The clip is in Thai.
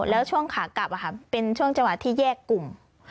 แล้วช่วงขากลับเป็นช่วงจังหวะที่แยกกลุ่ม